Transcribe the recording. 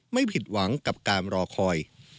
ไม่ผิดหวังกับการรอคอย